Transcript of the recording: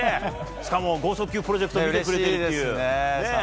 しかも豪速球プロジェクトを見てくれてるという。